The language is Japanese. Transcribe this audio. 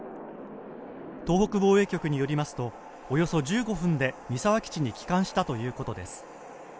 東北防衛局によりますとおよそ１５分で三沢基地に帰還したということです。